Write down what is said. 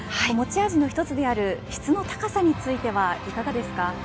持ち味の一つである質の高さについてはいかがですか。